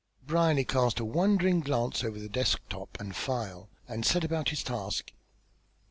Brierly cast a wandering glance over the desk top and file and set about his task.